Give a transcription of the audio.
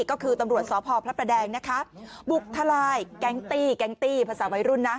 ก็คือตำรวจสพพระประแดงนะคะบุกทลายแก๊งตี้แก๊งตี้ภาษาวัยรุ่นนะ